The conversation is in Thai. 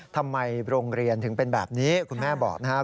ทำไมโรงเรียนถึงเป็นแบบนี้คุณแม่บอกนะครับ